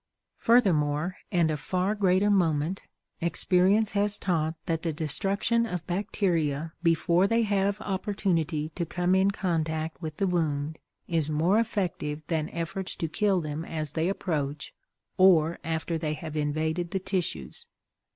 Furthermore, and of far greater moment, experience has taught that the destruction of bacteria before they have opportunity to come in contact with the wound is more effective than efforts to kill them as they approach or after they have invaded the tissues.